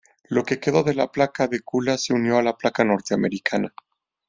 Lo que quedó de la placa de Kula se unió a la placa norteamericana.